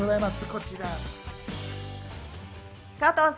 こちら。